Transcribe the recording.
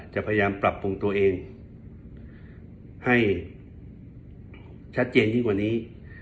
จะพยายามปรับปรุงตัวเองให้ชัดเจนยิ่งกว่านี้